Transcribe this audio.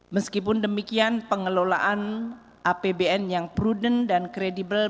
meskipun demikian pengelolaan apbn yang prudent dan kredibel